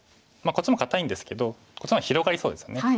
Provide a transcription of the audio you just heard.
こっちも堅いんですけどこっちの方が広がりそうですよね。